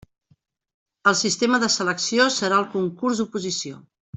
El sistema de selecció serà el concurs-oposició.